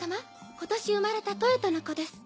今年生まれたトエトの子です。